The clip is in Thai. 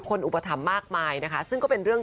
คือเกาหลีเขาเดินมาดูตัวเลยนะ